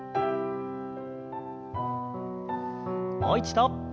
もう一度。